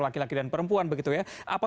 laki laki dan perempuan begitu ya apa